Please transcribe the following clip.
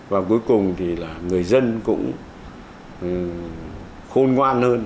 và cuối cùng thì là người dân cũng khôn ngoan hơn